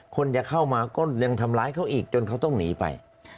คนจะเข้ามาก็ยังทำร้ายเขาอีกจนเขาต้องหนีไป